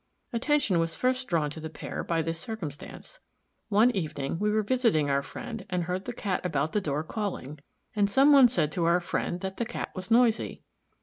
Attention was first drawn to the pair by this circumstance. One evening we were visiting our friend and heard the Cat about the door calling, and some one said to our friend that the cat was noisy.